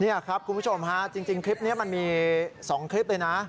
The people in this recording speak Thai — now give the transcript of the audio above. นี่ครับคุณผู้ชมฮะจริงคลิปนี้มันมี๒คลิปเลยนะ